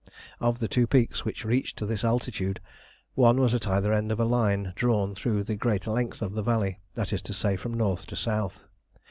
Of the two peaks which reached to this altitude, one was at either end of a line drawn through the greater length of the valley, that is to say, from north to south.